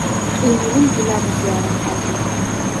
ყინული მდინარეზე არამყარია.